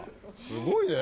すごいね！